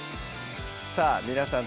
さぁ皆さん